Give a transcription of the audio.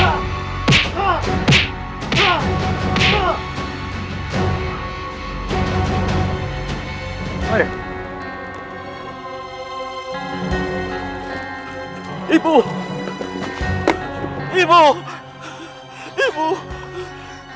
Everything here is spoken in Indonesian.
anda berhasil mem electrok selber